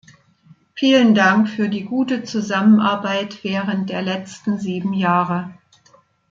Vielen Dank für die gute Zusammenarbeit während der letzten sieben Jahre!